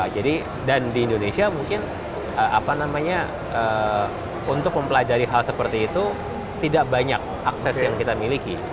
jadi dan di indonesia mungkin apa namanya untuk mempelajari hal seperti itu tidak banyak akses yang kita miliki